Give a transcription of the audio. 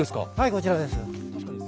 こちらです。